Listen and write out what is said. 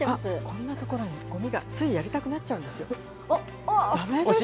こんな所にごみが、ついやりたくなっちゃうんですよ。